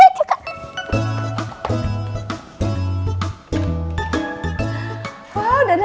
sini pelan pelan pelan pelan